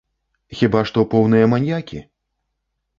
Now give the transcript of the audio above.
Хіба што поўныя маньякі?